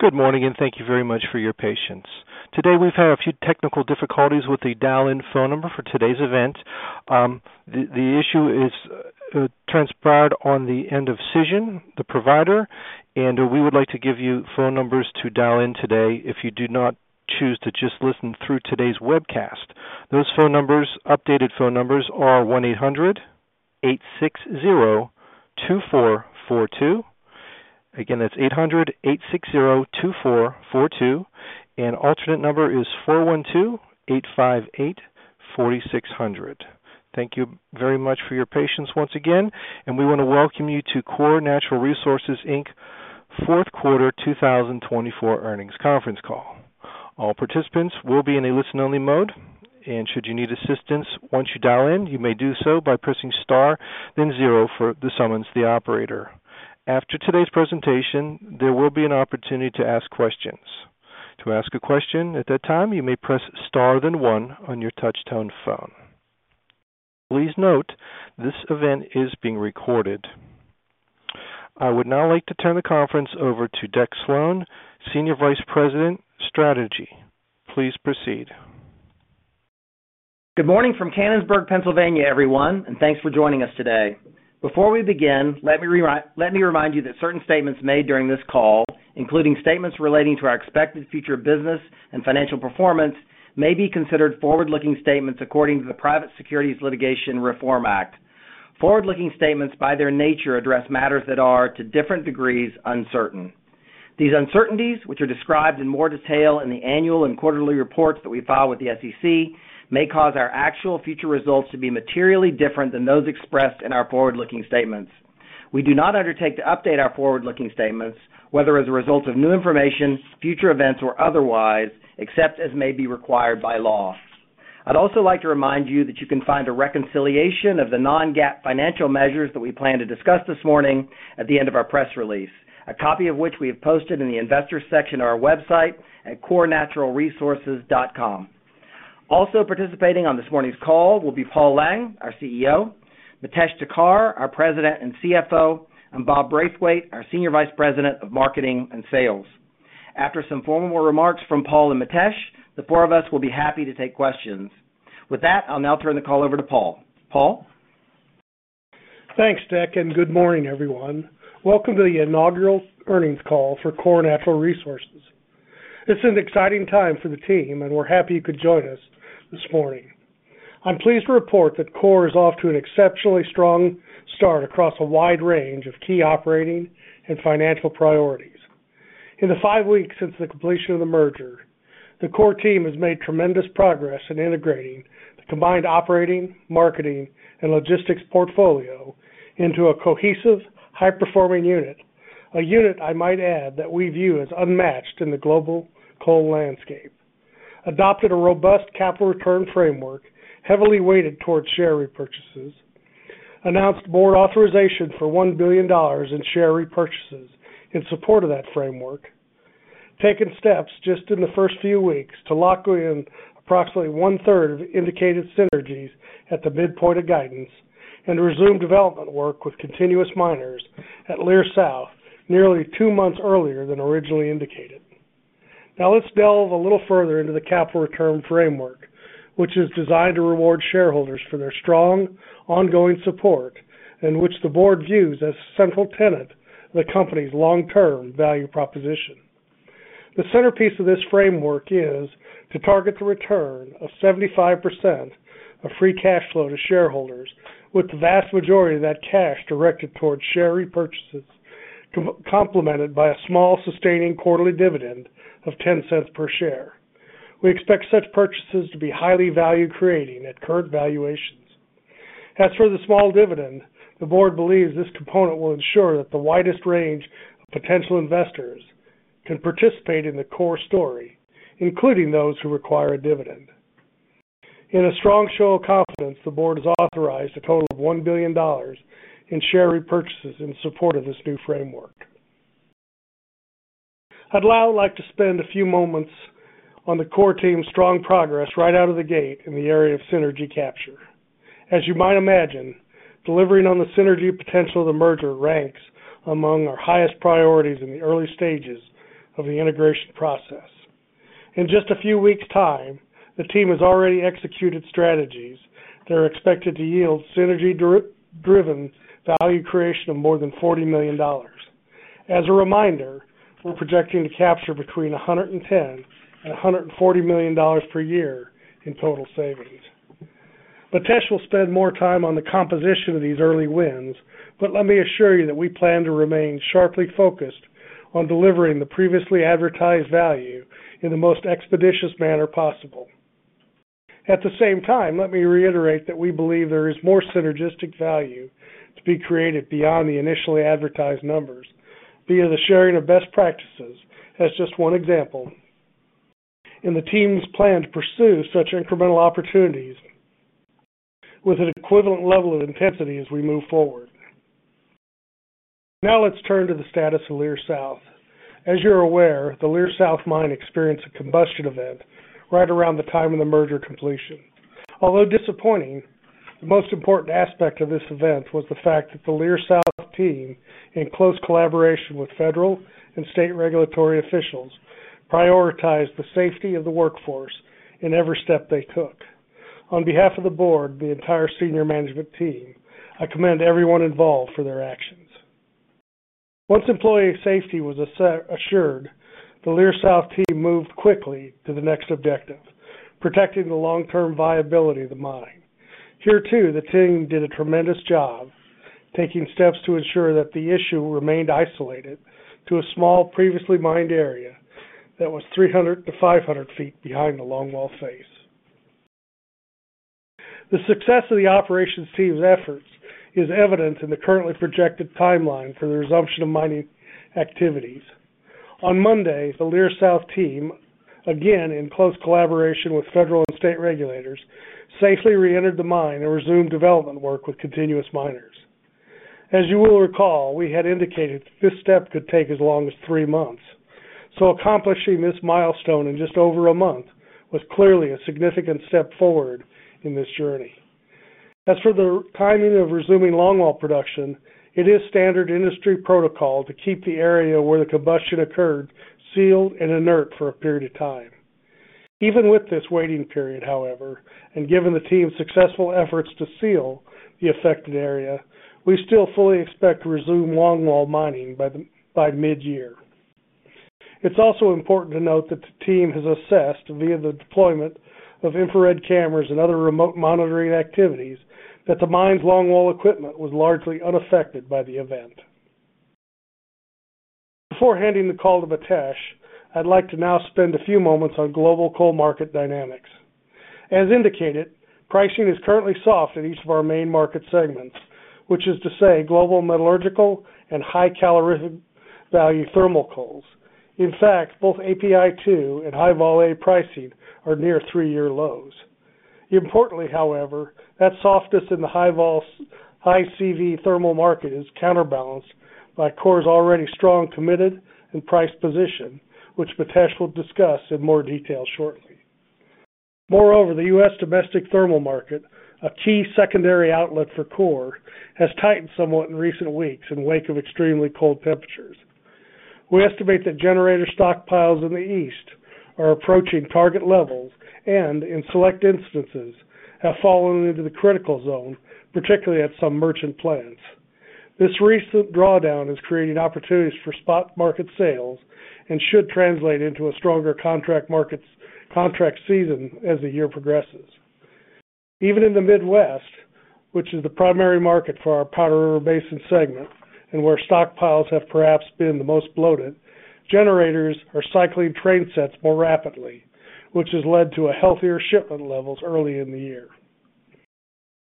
Good morning, and thank you very much for your patience. Today we've had a few technical difficulties with the dial-in phone number for today's event. The issue transpired on the end of Cision, the provider, and we would like to give you phone numbers to dial in today if you do not choose to just listen through today's webcast. Those phone numbers, updated phone numbers, are 1-800-860-2442. Again, that's 800-860-2442, and alternate number is 412-858-4600. Thank you very much for your patience once again, and we want to welcome you to Core Natural Resources Inc Fourth Quarter 2024 Earnings Conference Call. All participants will be in a listen-only mode, and should you need assistance once you dial in, you may do so by pressing star, then zero for the operator. After today's presentation, there will be an opportunity to ask questions. To ask a question at that time, you may press star then one on your touch-tone phone. Please note this event is being recorded. I would now like to turn the conference over to Deck Slone, Senior Vice President, Strategy. Please proceed. Good morning from Canonsburg, Pennsylvania, everyone, and thanks for joining us today. Before we begin, let me remind you that certain statements made during this call, including statements relating to our expected future business and financial performance, may be considered forward-looking statements according to the Private Securities Litigation Reform Act. Forward-looking statements, by their nature, address matters that are to different degrees uncertain. These uncertainties, which are described in more detail in the annual and quarterly reports that we file with the SEC, may cause our actual future results to be materially different than those expressed in our forward-looking statements. We do not undertake to update our forward-looking statements, whether as a result of new information, future events, or otherwise, except as may be required by law. I'd also like to remind you that you can find a reconciliation of the non-GAAP financial measures that we plan to discuss this morning at the end of our press release, a copy of which we have posted in the investor section of our website at corenaturalresources.com. Also participating on this morning's call will be Paul Lang, our CEO; Mitesh Thakkar, our President and CFO; and Bob Braithwaite, our Senior Vice President of Marketing and Sales. After some formal remarks from Paul and Mitesh, the four of us will be happy to take questions. With that, I'll now turn the call over to Paul. Paul? Thanks, Deck, and good morning, everyone. Welcome to the inaugural earnings call for Core Natural Resources. It's an exciting time for the team, and we're happy you could join us this morning. I'm pleased to report that Core is off to an exceptionally strong start across a wide range of key operating and financial priorities. In the five weeks since the completion of the merger, the Core team has made tremendous progress in integrating the combined operating, marketing, and logistics portfolio into a cohesive, high-performing unit (a unit, I might add, that we view as unmatched in the global coal landscape), adopted a robust capital return framework heavily weighted towards share repurchases, announced board authorization for $1 billion in share repurchases in support of that framework, taken steps just in the first few weeks to lock in approximately one-third of indicated synergies at the midpoint of guidance, and resumed development work with continuous miners at Leer South nearly two months earlier than originally indicated. Now, let's delve a little further into the capital return framework, which is designed to reward shareholders for their strong, ongoing support and which the board views as a central tenet of the company's long-term value proposition. The centerpiece of this framework is to target the return of 75% of free cash flow to shareholders, with the vast majority of that cash directed towards share repurchases, complemented by a small, sustaining quarterly dividend of $0.10 per share. We expect such purchases to be highly value-creating at current valuations. As for the small dividend, the board believes this component will ensure that the widest range of potential investors can participate in the core story, including those who require a dividend. In a strong show of confidence, the board has authorized a total of $1 billion in share repurchases in support of this new framework. I'd now like to spend a few moments on the Core team's strong progress right out of the gate in the area of synergy capture. As you might imagine, delivering on the synergy potential of the merger ranks among our highest priorities in the early stages of the integration process. In just a few weeks' time, the team has already executed strategies that are expected to yield synergy-driven value creation of more than $40 million. As a reminder, we're projecting to capture between $110 million and $140 million per year in total savings. Mitesh will spend more time on the composition of these early wins, but let me assure you that we plan to remain sharply focused on delivering the previously advertised value in the most expeditious manner possible. At the same time, let me reiterate that we believe there is more synergistic value to be created beyond the initially advertised numbers, via the sharing of best practices, as just one example, and the team's plan to pursue such incremental opportunities with an equivalent level of intensity as we move forward. Now, let's turn to the status of Leer South. As you're aware, the Leer South mine experienced a combustion event right around the time of the merger completion. Although disappointing, the most important aspect of this event was the fact that the Leer South team, in close collaboration with federal and state regulatory officials, prioritized the safety of the workforce in every step they took. On behalf of the Board and the entire senior management team, I commend everyone involved for their actions. Once employee safety was assured, the Leer South team moved quickly to the next objective: protecting the long-term viability of the mine. Here, too, the team did a tremendous job, taking steps to ensure that the issue remained isolated to a small, previously mined area that was 300-500 ft behind the longwall face. The success of the operations team's efforts is evident in the currently projected timeline for the resumption of mining activities. On Monday, the Leer South team, again in close collaboration with federal and state regulators, safely re-entered the mine and resumed development work with continuous miners. As you will recall, we had indicated that this step could take as long as three months, so accomplishing this milestone in just over a month was clearly a significant step forward in this journey. As for the timing of resuming longwall production, it is standard industry protocol to keep the area where the combustion occurred sealed and inert for a period of time. Even with this waiting period, however, and given the team's successful efforts to seal the affected area, we still fully expect to resume longwall mining by mid-year. It's also important to note that the team has assessed, via the deployment of infrared cameras and other remote monitoring activities, that the mine's longwall equipment was largely unaffected by the event. Before handing the call to Mitesh, I'd like to now spend a few moments on global coal market dynamics. As indicated, pricing is currently soft in each of our main market segments, which is to say global metallurgical and high-calorific value thermal coals. In fact, both API-2 and High-Vol A pricing are near three-year lows. Importantly, however, that softness in the High-CV thermal market is counterbalanced by Core's already strong committed and priced position, which Mitesh will discuss in more detail shortly. Moreover, the U.S. domestic thermal market, a key secondary outlet for Core, has tightened somewhat in recent weeks in the wake of extremely cold temperatures. We estimate that generator stockpiles in the East are approaching target levels and, in select instances, have fallen into the critical zone, particularly at some merchant plants. This recent drawdown is creating opportunities for spot market sales and should translate into a stronger contract markets, contract season as the year progresses. Even in the Midwest, which is the primary market for our Powder River Basin segment and where stockpiles have perhaps been the most bloated, generators are cycling train sets more rapidly, which has led to healthier shipment levels early in the year.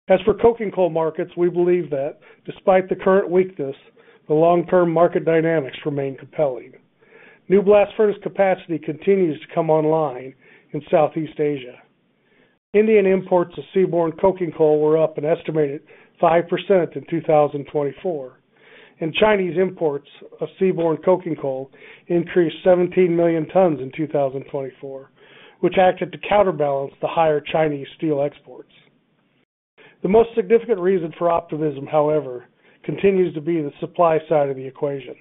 As for coking coal markets, we believe that, despite the current weakness, the long-term market dynamics remain compelling. New blast furnace capacity continues to come online in Southeast Asia. Indian imports of seaborne coking coal were up an estimated 5% in 2024, and Chinese imports of seaborne coking coal increased 17 million tons in 2024, which acted to counterbalance the higher Chinese steel exports. The most significant reason for optimism, however, continues to be the supply side of the equation.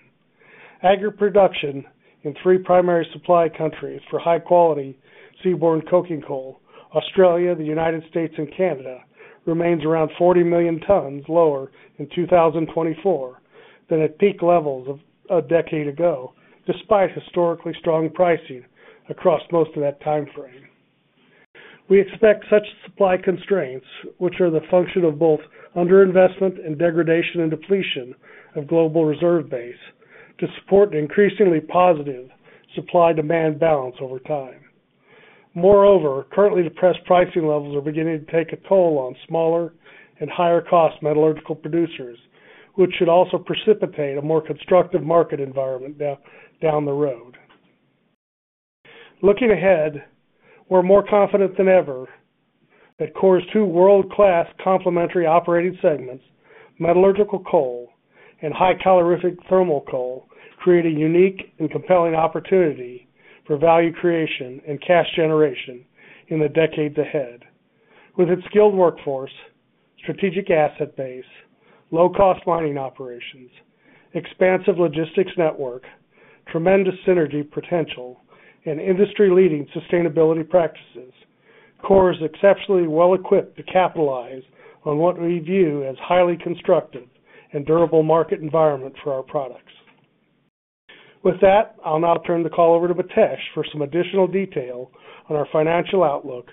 Aggregate production in three primary supply countries for high-quality seaborne coking coal (Australia, the United States, and Canada) remains around 40 million tons lower in 2024 than at peak levels of a decade ago, despite historically strong pricing across most of that timeframe. We expect such supply constraints, which are the function of both underinvestment and degradation and depletion of global reserve base, to support an increasingly positive supply-demand balance over time. Moreover, currently depressed pricing levels are beginning to take a toll on smaller and higher-cost metallurgical producers, which should also precipitate a more constructive market environment down the road. Looking ahead, we're more confident than ever that Core's two world-class complementary operating segments, metallurgical coal and high-calorific thermal coal, create a unique and compelling opportunity for value creation and cash generation in the decades ahead. With its skilled workforce, strategic asset base, low-cost mining operations, expansive logistics network, tremendous synergy potential, and industry-leading sustainability practices, Core is exceptionally well-equipped to capitalize on what we view as a highly constructive and durable market environment for our products. With that, I'll now turn the call over to Mitesh for some additional detail on our financial outlook,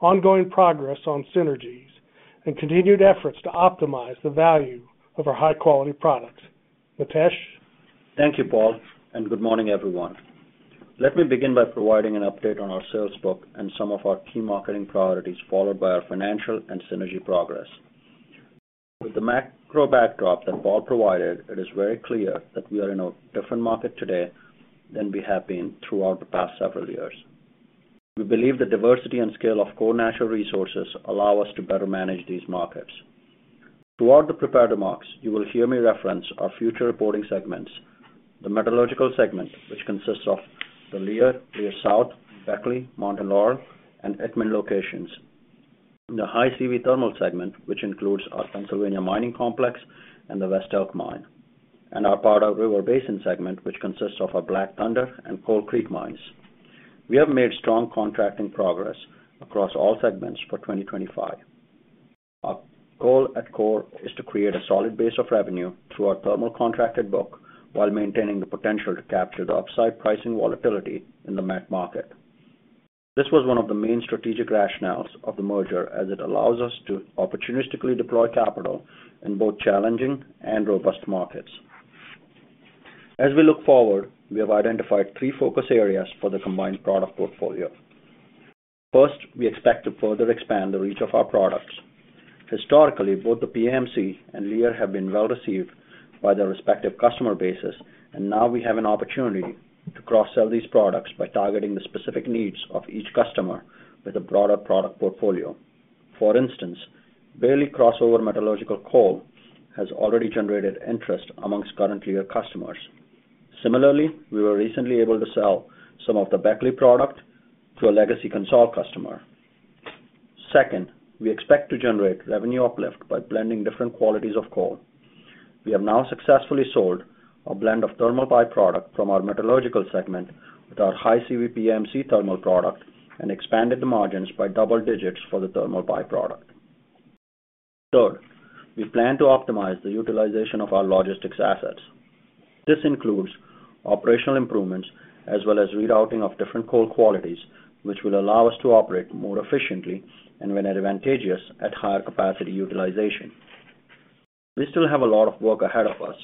ongoing progress on synergies, and continued efforts to optimize the value of our high-quality products. Mitesh? Thank you, Paul, and good morning, everyone. Let me begin by providing an update on our sales book and some of our key marketing priorities, followed by our financial and synergy progress. With the macro backdrop that Paul provided, it is very clear that we are in a different market today than we have been throughout the past several years. We believe the diversity and scale of Core Natural Resources allow us to better manage these markets. Throughout the prepared remarks, you will hear me reference our future reporting segments: the metallurgical segment, which consists of the Leer, Leer South, Beckley, Mountain Laurel, and Itmann locations, High-CV thermal segment, which includes our Pennsylvania Mining Complex and the West Elk mine, and our Powder River Basin segment, which consists of our Black Thunder and Coal Creek mines. We have made strong contracting progress across all segments for 2025. Our goal at Core is to create a solid base of revenue through our thermal contracted book while maintaining the potential to capture the upside pricing volatility in the met market. This was one of the main strategic rationales of the merger, as it allows us to opportunistically deploy capital in both challenging and robust markets. As we look forward, we have identified three focus areas for the combined product portfolio. First, we expect to further expand the reach of our products. Historically, both the PMC and Leer have been well-received by their respective customer bases, and now we have an opportunity to cross-sell these products by targeting the specific needs of each customer with a broader product portfolio. For instance, Bailey crossover metallurgical coal has already generated interest among current Leer customers. Similarly, we were recently able to sell some of the Beckley product to a legacy CONSOL customer. Second, we expect to generate revenue uplift by blending different qualities of coal. We have now successfully sold a blend of thermal byproduct from our metallurgical segment with High-CV PMC thermal product and expanded the margins by double digits for the thermal byproduct. Third, we plan to optimize the utilization of our logistics assets. This includes operational improvements as well as rerouting of different coal qualities, which will allow us to operate more efficiently and, when advantageous, at higher capacity utilization. We still have a lot of work ahead of us,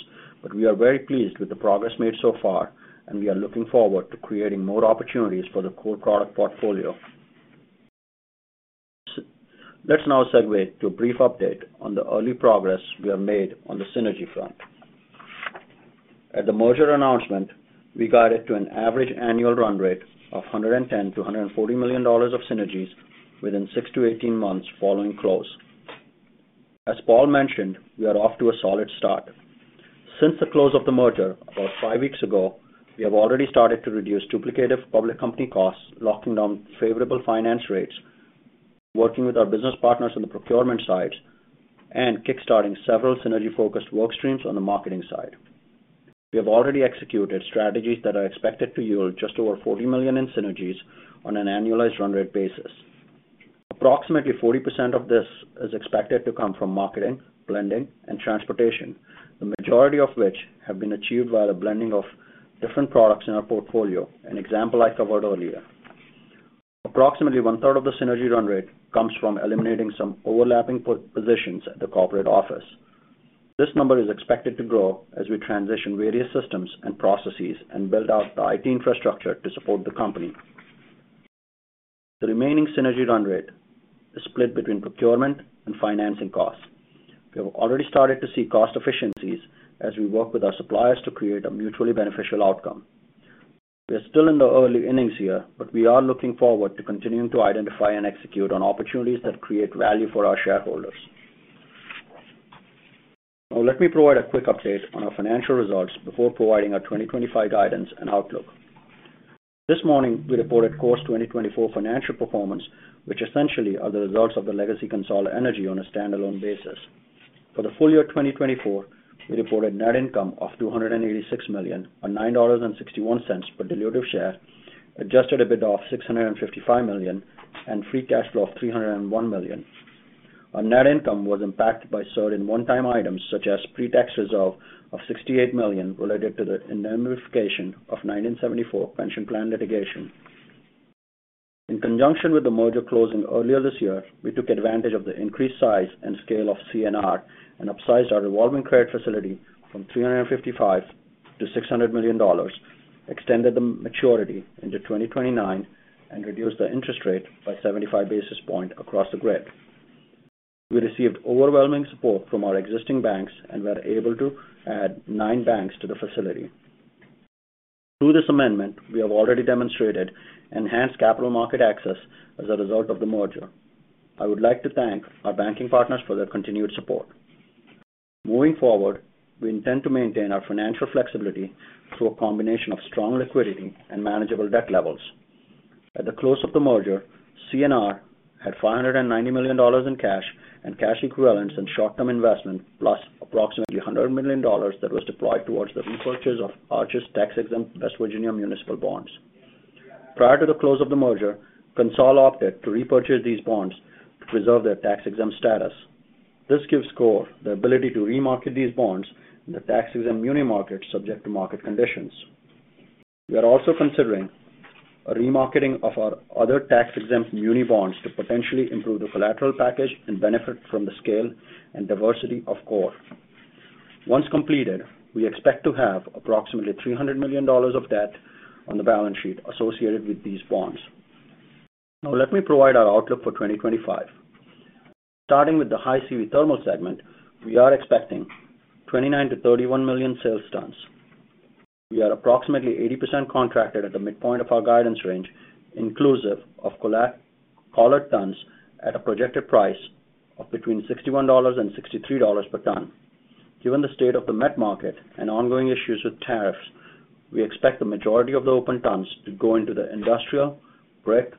but we are very pleased with the progress made so far, and we are looking forward to creating more opportunities for the core product portfolio. Let's now segue to a brief update on the early progress we have made on the synergy front. At the merger announcement, we guided to an average annual run rate of $110 million-$140 million of synergies within six to 18 months following close. As Paul mentioned, we are off to a solid start. Since the close of the merger about five weeks ago, we have already started to reduce duplicative public company costs, locking down favorable finance rates, working with our business partners on the procurement side, and kickstarting several synergy-focused work streams on the marketing side. We have already executed strategies that are expected to yield just over $40 million in synergies on an annualized run rate basis. Approximately 40% of this is expected to come from marketing, blending, and transportation, the majority of which have been achieved via the blending of different products in our portfolio, an example I covered earlier. Approximately one-third of the synergy run rate comes from eliminating some overlapping positions at the corporate office. This number is expected to grow as we transition various systems and processes and build out the IT infrastructure to support the company. The remaining synergy run rate is split between procurement and financing costs. We have already started to see cost efficiencies as we work with our suppliers to create a mutually beneficial outcome. We are still in the early innings here, but we are looking forward to continuing to identify and execute on opportunities that create value for our shareholders. Now, let me provide a quick update on our financial results before providing our 2025 guidance and outlook. This morning, we reported Core's 2024 financial performance, which essentially are the results of the legacy CONSOL Energy on a stand-alone basis. For the full year 2024, we reported net income of $286 million, or $9.61 per diluted share, adjusted EBITDA of $655 million, and free cash flow of $301 million. Our net income was impacted by certain one-time items such as pretax reserve of $68 million related to the indemnification of 1974 Pension Plan litigation. In conjunction with the merger closing earlier this year, we took advantage of the increased size and scale of CNR and upsized our revolving credit facility from $355 million to $600 million, extended the maturity into 2029, and reduced the interest rate by 75 basis points across the grid. We received overwhelming support from our existing banks and were able to add nine banks to the facility. Through this amendment, we have already demonstrated enhanced capital market access as a result of the merger. I would like to thank our banking partners for their continued support. Moving forward, we intend to maintain our financial flexibility through a combination of strong liquidity and manageable debt levels. At the close of the merger, CNR had $590 million in cash and cash equivalents in short-term investment, plus approximately $100 million that was deployed towards the repurchase of Arch's tax-exempt West Virginia municipal bonds. Prior to the close of the merger, CONSOL opted to repurchase these bonds to preserve their tax-exempt status. This gives Core the ability to remarket these bonds in the tax-exempt muni market subject to market conditions. We are also considering a remarketing of our other tax-exempt muni bonds to potentially improve the collateral package and benefit from the scale and diversity of Core. Once completed, we expect to have approximately $300 million of debt on the balance sheet associated with these bonds. Now, let me provide our outlook for 2025. Starting with High-CV thermal segment, we are expecting 29-31 million sales tons. We are approximately 80% contracted at the midpoint of our guidance range, inclusive of collateral tons at a projected price of between $61 and $63 per ton. Given the state of the met market and ongoing issues with tariffs, we expect the majority of the open tons to go into the industrial, brick,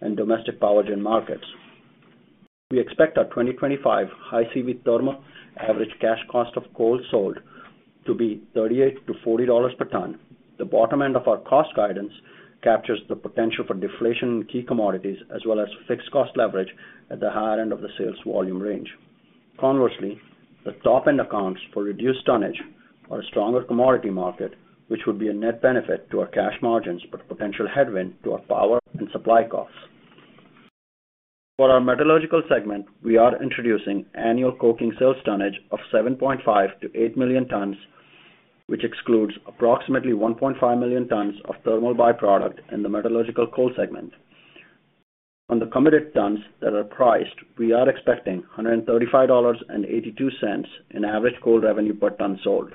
and domestic power gen markets. We expect our High-CV thermal average cash cost of coal sold to be $38-$40 per ton. The bottom end of our cost guidance captures the potential for deflation in key commodities as well as fixed cost leverage at the higher end of the sales volume range. Conversely, the top end accounts for reduced tonnage or a stronger commodity market, which would be a net benefit to our cash margins but a potential headwind to our power and supply costs. For our metallurgical segment, we are introducing annual coking sales tonnage of 7.5-8 million tons, which excludes approximately 1.5 million tons of thermal byproduct in the metallurgical coal segment. On the committed tons that are priced, we are expecting $135.82 in average coal revenue per ton sold.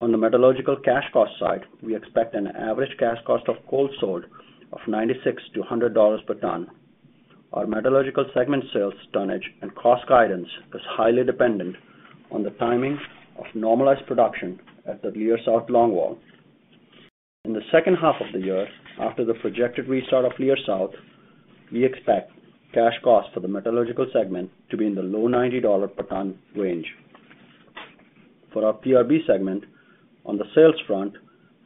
On the metallurgical cash cost side, we expect an average cash cost of coal sold of $96-$100 per ton. Our metallurgical segment sales tonnage and cost guidance is highly dependent on the timing of normalized production at the Leer South longwall. In the second half of the year, after the projected restart of Leer South, we expect cash cost for the metallurgical segment to be in the low $90 per ton range. For our PRB segment, on the sales front,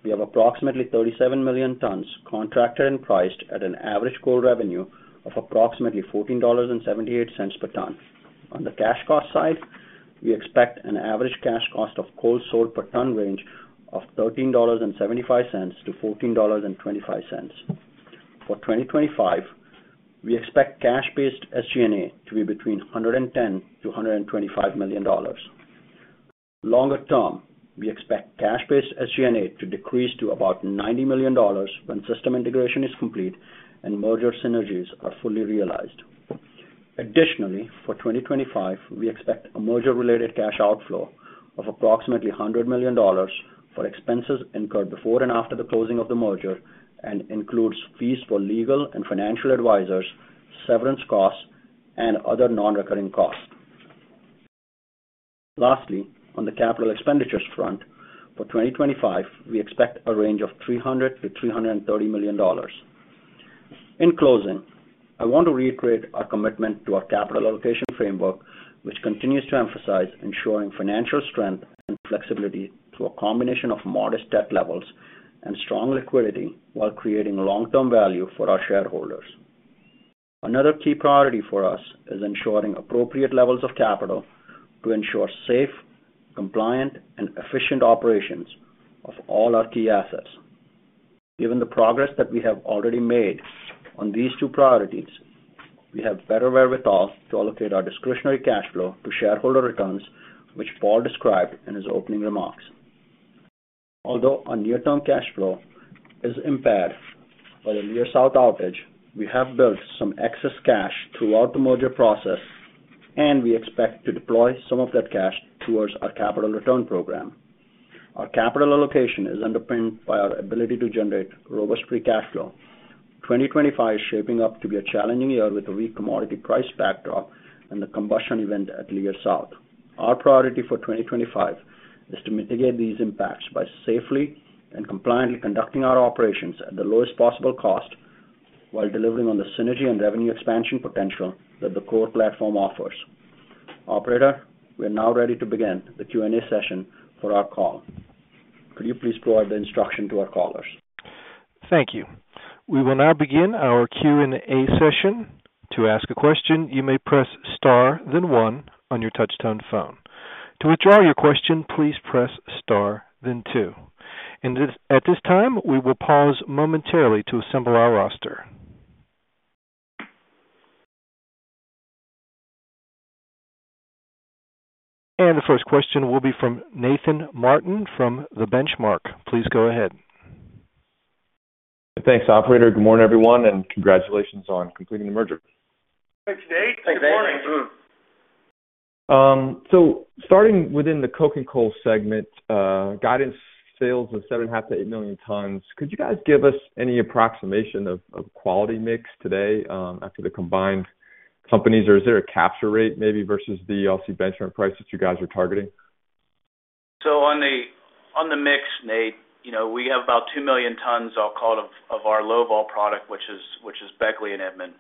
we have approximately 37 million tons contracted and priced at an average coal revenue of approximately $14.78 per ton. On the cash cost side, we expect an average cash cost of coal sold per ton range of $13.75-$14.25. For 2025, we expect cash-based SG&A to be between $110 million-$125 million. Longer term, we expect cash-based SG&A to decrease to about $90 million when system integration is complete and merger synergies are fully realized. Additionally, for 2025, we expect a merger-related cash outflow of approximately $100 million for expenses incurred before and after the closing of the merger and includes fees for legal and financial advisors, severance costs, and other non-recurring costs. Lastly, on the capital expenditures front, for 2025, we expect a range of $300 million-$330 million. In closing, I want to reiterate our commitment to our capital allocation framework, which continues to emphasize ensuring financial strength and flexibility through a combination of modest debt levels and strong liquidity while creating long-term value for our shareholders. Another key priority for us is ensuring appropriate levels of capital to ensure safe, compliant, and efficient operations of all our key assets. Given the progress that we have already made on these two priorities, we have better wherewithal to allocate our discretionary cash flow to shareholder returns, which Paul described in his opening remarks. Although our near-term cash flow is impaired by the Leer South outage, we have built some excess cash throughout the merger process, and we expect to deploy some of that cash towards our capital return program. Our capital allocation is underpinned by our ability to generate robust free cash flow. 2025 is shaping up to be a challenging year with a weak commodity price backdrop and the combustion event at Leer South. Our priority for 2025 is to mitigate these impacts by safely and compliantly conducting our operations at the lowest possible cost while delivering on the synergy and revenue expansion potential that the Core platform offers. Operator, we are now ready to begin the Q&A session for our call. Could you please provide the instruction to our callers? Thank you. We will now begin our Q&A session. To ask a question, you may press star, then one on your touch-tone phone. To withdraw your question, please press star, then two. At this time, we will pause momentarily to assemble our roster, and the first question will be from Nathan Martin from The Benchmark. Please go ahead. Thanks, operator. Good morning, everyone, and congratulations on completing the merger. Thanks, Nate. Thanks for joining. Good morning. So starting within the cooking coal segment, guidance sales of 7.5-8 million tons, could you guys give us any approximation of quality mix today after the combined companies, or is there a capture rate maybe versus the LC Benchmark price that you guys are targeting? So on the mix, Nate, we have about 2 million tons, I'll call it, of our Low-Vol product, which is Beckley and Itmann.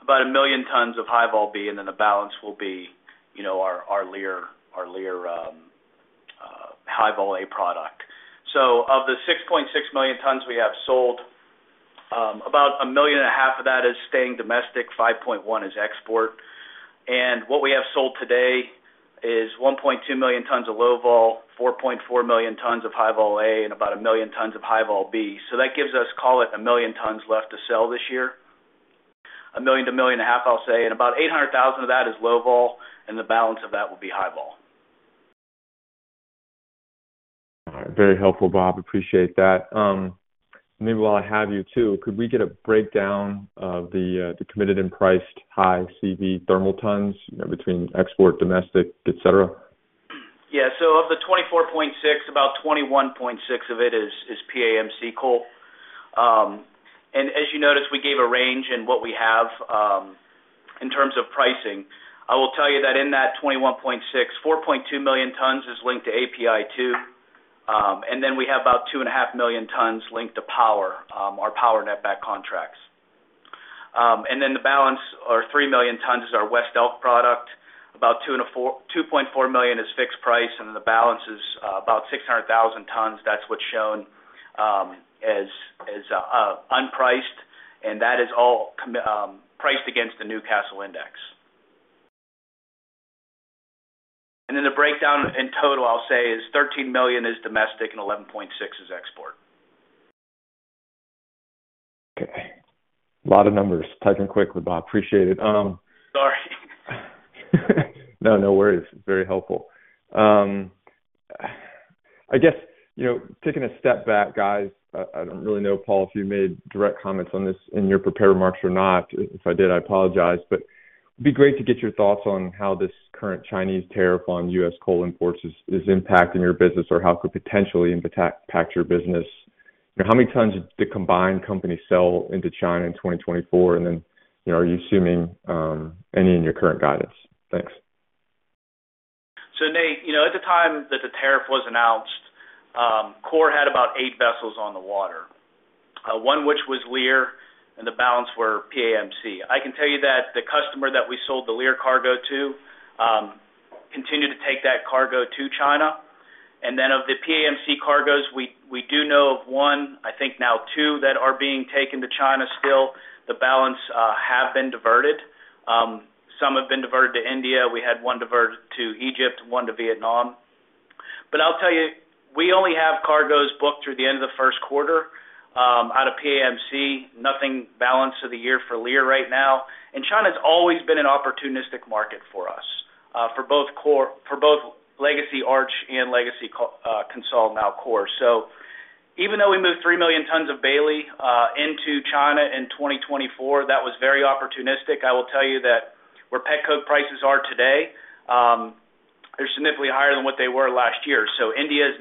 About a million tons of High-Vol B, and then the balance will be our Leer High-Vol A product. So of the 6.6 million tons we have sold, about a million and a half of that is staying domestic, 5.1 is export. And what we have sold today is 1.2 million tons of Low-Vol, 4.4 million tons of High-Vol A, and about a million tons of High-Vol B. So that gives us, call it, a million tons left to sell this year. A million to a million and a half, I'll say, and about 800,000 of that is Low-Vol, and the balance of that will be High-Vol. All right. Very helpful, Bob. Appreciate that. Maybe while I have you too, could we get a breakdown of the committed and priced High CV thermal tons between export, domestic, etc.? Yeah. So of the 24.6, about 21.6 of it is PAMC coal. And as you noticed, we gave a range in what we have in terms of pricing. I will tell you that in that 21.6, 4.2 million tons is linked to API-2. And then we have about 2.5 million tons linked to power, our power netback contracts. And then the balance, or 3 million tons, is our West Elk product. About 2.4 million is fixed price, and then the balance is about 600,000 tons. That's what's shown as unpriced, and that is all priced against the Newcastle index. And then the breakdown in total, I'll say, is 13 million is domestic and 11.6 is export. Okay. A lot of numbers. Typing quickly, Bob. Appreciate it. Sorry. No, no worries. Very helpful. I guess taking a step back, guys, I don't really know, Paul, if you made direct comments on this in your prepared remarks or not. If I did, I apologize. But it'd be great to get your thoughts on how this current Chinese tariff on U.S. coal imports is impacting your business or how it could potentially impact your business. How many tons did the combined company sell into China in 2024? And then are you assuming any in your current guidance? Thanks. So, Nate, at the time that the tariff was announced, Core had about eight vessels on the water, one which was Leer and the balance were PAMC. I can tell you that the customer that we sold the Leer cargo to continued to take that cargo to China. And then of the PAMC cargos, we do know of one, I think now two, that are being taken to China still. The balance have been diverted. Some have been diverted to India. We had one diverted to Egypt, one to Vietnam. But I'll tell you, we only have cargoes booked through the end of the first quarter out of PAMC. Nothing for the balance of the year for Leer right now. And China has always been an opportunistic market for us, for both legacy Arch and legacy CONSOL now Core. So even though we moved 3 million tons of Bailey into China in 2024, that was very opportunistic. I will tell you that where petcoke prices are today, they're significantly higher than what they were last year. So India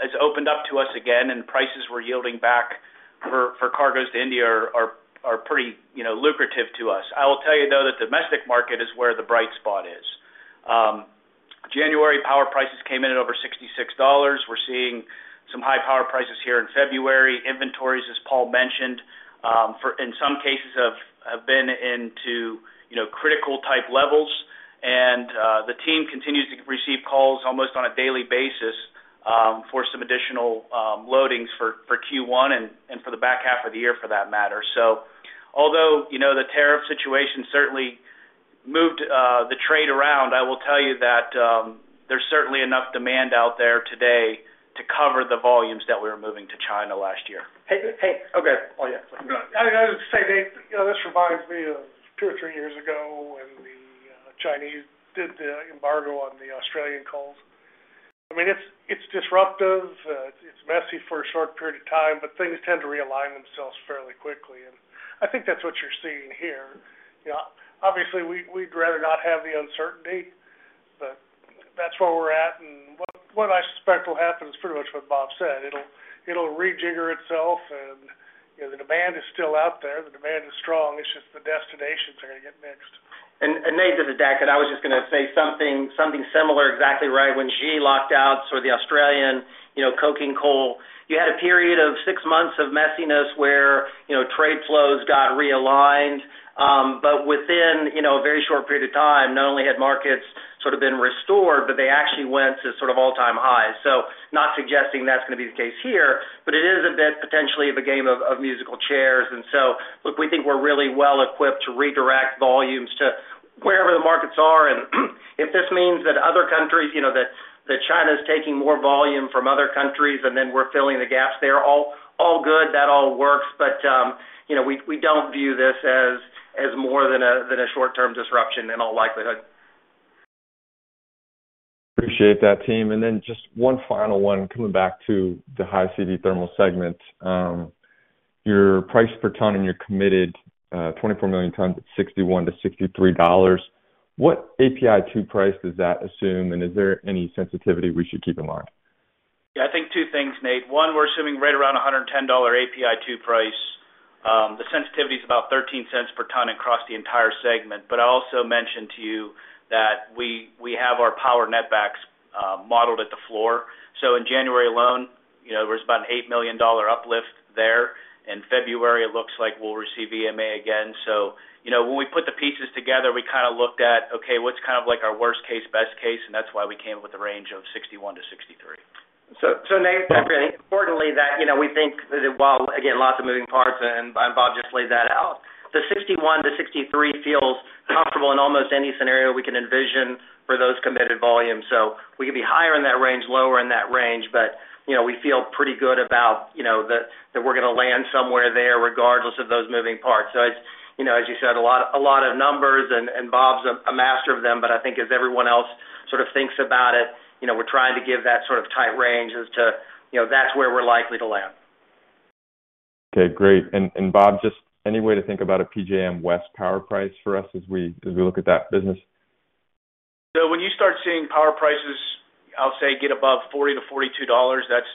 has opened up to us again, and prices we're yielding back for cargoes to India are pretty lucrative to us. I will tell you, though, that the domestic market is where the bright spot is. January power prices came in at over $66. We're seeing some high power prices here in February. Inventories, as Paul mentioned, in some cases have been into critical type levels, and the team continues to receive calls almost on a daily basis for some additional loadings for Q1 and for the back half of the year for that matter, so although the tariff situation certainly moved the trade around, I will tell you that there's certainly enough demand out there today to cover the volumes that we were moving to China last year. I was going to say, Nate, this reminds me of two or three years ago when the Chinese did the embargo on the Australian coals. I mean, it's disruptive. It's messy for a short period of time, but things tend to realign themselves fairly quickly, and I think that's what you're seeing here. Obviously, we'd rather not have the uncertainty, but that's where we're at. And what I suspect will happen is pretty much what Bob said. It'll rejigger itself, and the demand is still out there. The demand is strong. It's just the destinations are going to get mixed. And Nate, this is Deck. And I was just going to say something similar, exactly right, when Xi locked out sort of the Australian coking coal. You had a period of six months of messiness where trade flows got realigned, but within a very short period of time, not only had markets sort of been restored, but they actually went to sort of all-time highs, so not suggesting that's going to be the case here, but it is a bit potentially of a game of musical chairs, and so, look, we think we're really well equipped to redirect volumes to wherever the markets are. And if this means that other countries, that China is taking more volume from other countries and then we're filling the gaps, they're all good. That all works. But we don't view this as more than a short-term disruption in all likelihood. Appreciate that, team. And then just one final one coming back to High-CV thermal segment. Your price per ton and your committed 24 million tons at $61-$63. What API-2 price does that assume? And is there any sensitivity we should keep in mind? Yeah. I think two things, Nate. One, we're assuming right around $110 API-2 price. The sensitivity is about $0.13 per ton across the entire segment. But I also mentioned to you that we have our power netbacks modeled at the floor. So in January alone, there was about an $8 million uplift there. In February, it looks like we'll receive EMA again. So when we put the pieces together, we kind of looked at, okay, what's kind of like our worst case, best case, and that's why we came up with the range of $61-$63. So, Nate, importantly, that we think that while, again, lots of moving parts, and Bob just laid that out, the $61-$63 feels comfortable in almost any scenario we can envision for those committed volumes. So we could be higher in that range, lower in that range, but we feel pretty good about that we're going to land somewhere there regardless of those moving parts. So, as you said, a lot of numbers, and Bob's a master of them. But I think as everyone else sort of thinks about it, we're trying to give that sort of tight range as to that's where we're likely to land. Okay. Great. And Bob, just any way to think about a PJM West power price for us as we look at that business? So when you start seeing power prices, I'll say, get above $40-$42,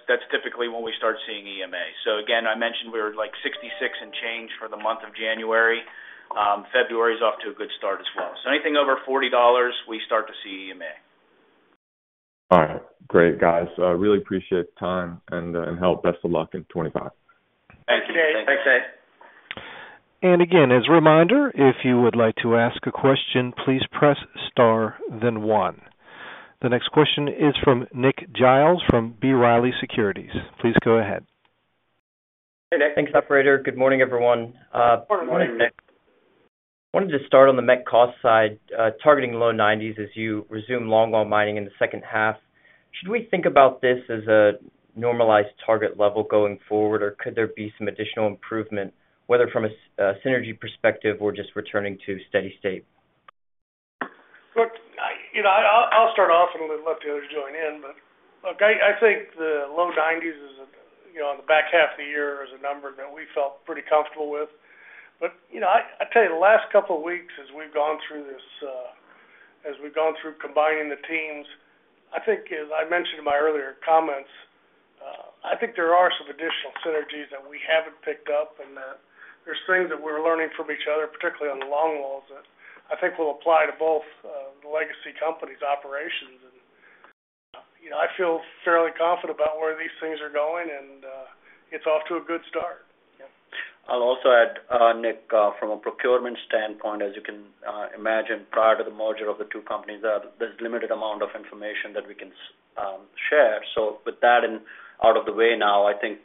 that's typically when we start seeing EMA. So, again, I mentioned we were like 66 and change for the month of January. February is off to a good start as well. So anything over $40, we start to see EMA. All right. Great, guys. Really appreciate the time and help. Best of luck in 2025. Thank you. Thanks, Nate. Thanks, Nate. And again, as a reminder, if you would like to ask a question, please press star, then one. The next question is from Nick Giles from B. Riley Securities. Please go ahead. Hey, Nick. Thanks, operator. Good morning, everyone. Morning, Nick. Morning, Nick. I wanted to start on the met cost side, targeting low 90s as you resume longwall mining in the second half. Should we think about this as a normalized target level going forward, or could there be some additional improvement, whether from a synergy perspective or just returning to steady state? Look, I'll start off and let the others join in, but look, I think the low 90s on the back half of the year is a number that we felt pretty comfortable with. But I tell you, the last couple of weeks, as we've gone through this, as we've gone through combining the teams, I think, as I mentioned in my earlier comments, I think there are some additional synergies that we haven't picked up and that there's things that we're learning from each other, particularly on the longwalls, that I think will apply to both the legacy company's operations. And I feel fairly confident about where these things are going, and it's off to a good start. Yeah. I'll also add, Nick, from a procurement standpoint, as you can imagine, prior to the merger of the two companies, there's a limited amount of information that we can share. So with that out of the way now, I think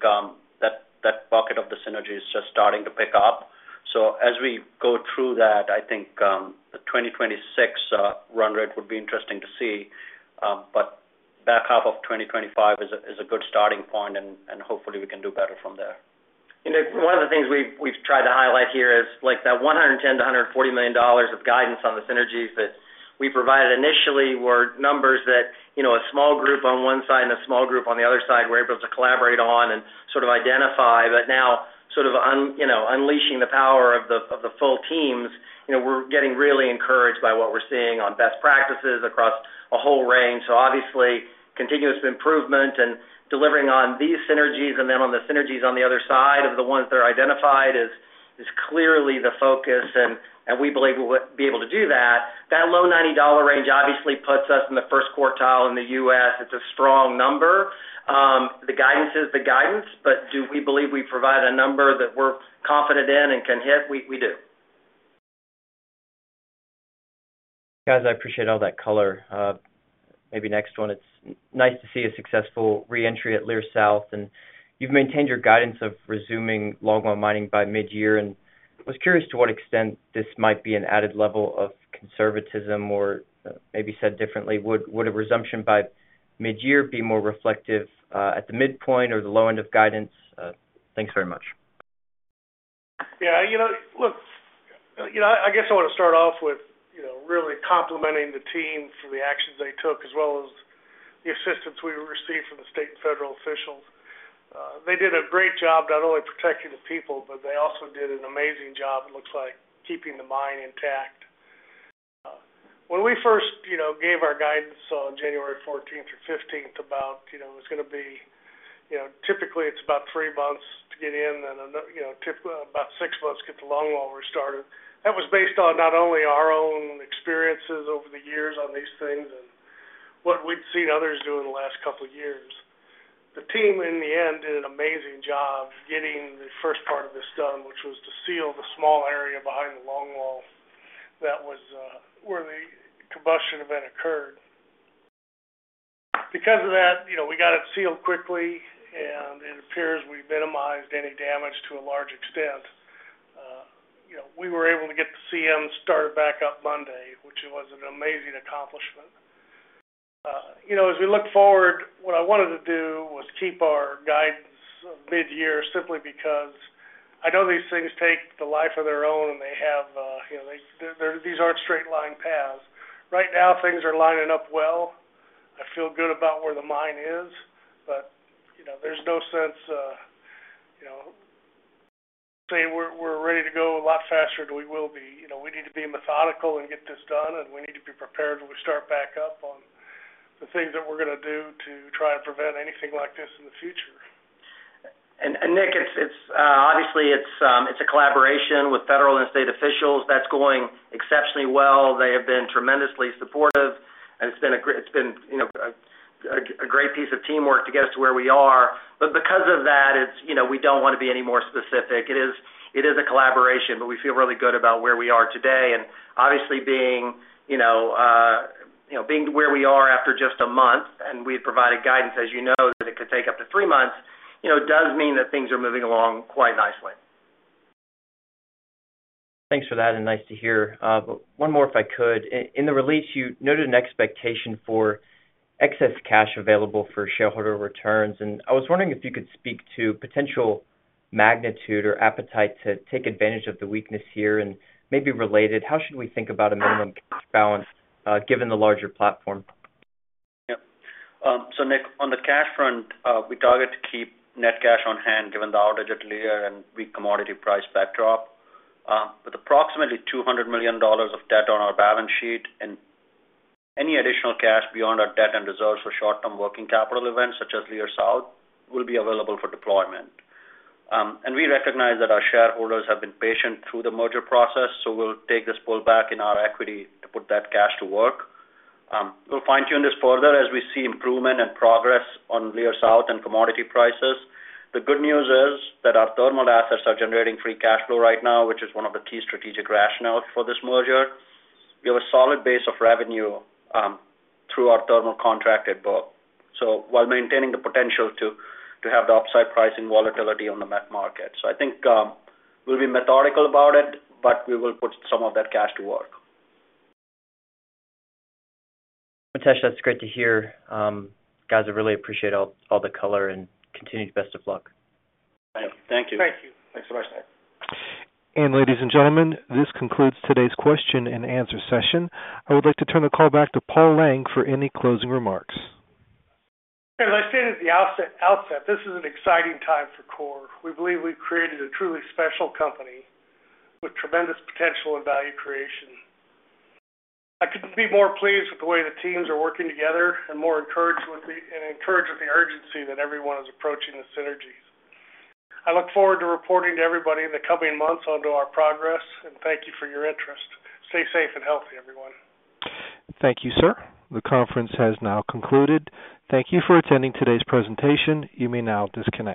that bucket of the synergies is just starting to pick up. So as we go through that, I think the 2026 run rate would be interesting to see. But back half of 2025 is a good starting point, and hopefully we can do better from there. And one of the things we've tried to highlight here is that $110 million-$140 million of guidance on the synergies that we provided initially were numbers that a small group on one side and a small group on the other side were able to collaborate on and sort of identify. But now, sort of unleashing the power of the full teams, we're getting really encouraged by what we're seeing on best practices across a whole range. So obviously, continuous improvement and delivering on these synergies and then on the synergies on the other side of the ones that are identified is clearly the focus, and we believe we'll be able to do that. That low $90 range obviously puts us in the first quartile in the U.S. It's a strong number. The guidance is the guidance, but do we believe we provide a number that we're confident in and can hit? We do. Guys, I appreciate all that color. Maybe next one, it's nice to see a successful reentry at Leer South. And you've maintained your guidance of resuming longwall mining by mid-year. And I was curious to what extent this might be an added level of conservatism or maybe said differently. Would a resumption by mid-year be more reflective at the midpoint or the low end of guidance? Thanks very much. Yeah. Look, I guess I want to start off with really complimenting the team for the actions they took as well as the assistance we received from the state and federal officials. They did a great job not only protecting the people, but they also did an amazing job, it looks like, keeping the mine intact. When we first gave our guidance on January 14th or 15th about it was going to be typically it's about three months to get in, then about six months to get the longwall restarted. That was based on not only our own experiences over the years on these things and what we'd seen others do in the last couple of years. The team, in the end, did an amazing job getting the first part of this done, which was to seal the small area behind the longwall that was where the combustion event occurred. Because of that, we got it sealed quickly, and it appears we minimized any damage to a large extent. We were able to get the CM started back up Monday, which was an amazing accomplishment. As we look forward, what I wanted to do was keep our guidance mid-year simply because I know these things take the life of their own and they have. These aren't straight-line paths. Right now, things are lining up well. I feel good about where the mine is, but there's no sense saying we're ready to go a lot faster than we will be. We need to be methodical and get this done, and we need to be prepared when we start back up on the things that we're going to do to try and prevent anything like this in the future. And Nick, obviously, it's a collaboration with federal and state officials. That's going exceptionally well. They have been tremendously supportive, and it's been a great piece of teamwork to get us to where we are. But because of that, we don't want to be any more specific. It is a collaboration, but we feel really good about where we are today. And obviously, being where we are after just a month, and we've provided guidance, as you know, that it could take up to three months, does mean that things are moving along quite nicely. Thanks for that, and nice to hear. But one more, if I could. In the release, you noted an expectation for excess cash available for shareholder returns. And I was wondering if you could speak to potential magnitude or appetite to take advantage of the weakness here and maybe relate it. How should we think about a minimum cash balance given the larger platform? Yep. So Nick, on the cash front, we target to keep net cash on hand given the outage at Leer and weak commodity price backdrop. With approximately $200 million of debt on our balance sheet, and any additional cash beyond our debt and reserves for short-term working capital events such as Leer South will be available for deployment. And we recognize that our shareholders have been patient through the merger process, so we'll take this pullback in our equity to put that cash to work. We'll fine-tune this further as we see improvement and progress on Leer South and commodity prices. The good news is that our thermal assets are generating free cash flow right now, which is one of the key strategic rationales for this merger. We have a solid base of revenue through our thermal contract at Beckley, so while maintaining the potential to have the upside pricing volatility on the met market. So I think we'll be methodical about it, but we will put some of that cash to work. Mitesh, that's great to hear. Guys, I really appreciate all the color and continue to best of luck. Thank you. Thank you. Thanks so much, Nick. Ladies and gentlemen, this concludes today's question-and-answer session. I would like to turn the call back to Paul Lang for any closing remarks. As I stated at the outset, this is an exciting time for Core. We believe we've created a truly special company with tremendous potential and value creation. I couldn't be more pleased with the way the teams are working together and more encouraged with the urgency that everyone is approaching the synergies. I look forward to reporting to everybody in the coming months onto our progress, and thank you for your interest. Stay safe and healthy, everyone. Thank you, sir. The conference has now concluded. Thank you for attending today's presentation. You may now disconnect.